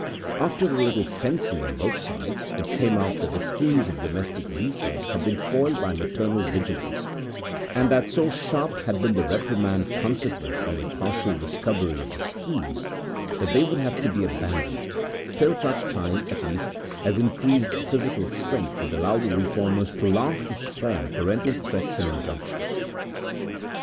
After a little fencing on both sides, it came out that all the schemes of domestic reform had been foiled by maternal vigilance, and that so sharp had been the reprimand consequent on a partial discovery of the schemes that they would have to be abandoned till such time, at least, as increased physical strength would allow the reformers to laugh to scorn parental threats and injunctions.